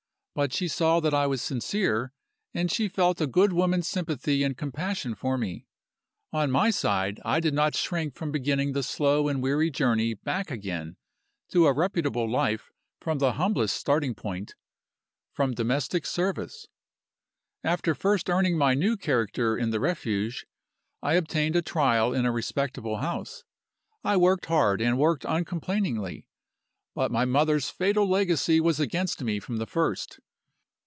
But she saw that I was sincere, and she felt a good woman's sympathy and compassion for me. On my side, I did not shrink from beginning the slow and weary journey back again to a reputable life from the humblest starting point from domestic service. After first earning my new character in the Refuge, I obtained a trial in a respectable house. I worked hard, and worked uncomplainingly; but my mother's fatal legacy was against me from the first.